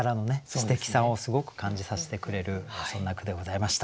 すてきさをすごく感じさせてくれるそんな句でございました。